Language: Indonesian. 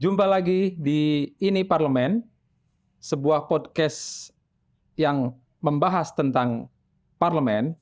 jumpa lagi di ini parlemen sebuah podcast yang membahas tentang parlemen